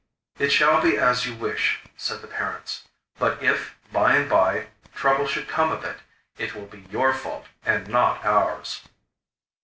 'It shall be as you wish,' said the parents; 'but if by and by trouble should come of it, it will be your fault and not ours.